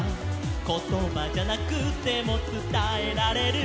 「ことばじゃなくてもつたえられる」